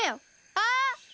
ああ！